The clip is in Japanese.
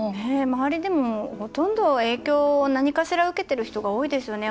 周りでも、ほとんど影響何かしら受けている人が多いですよね。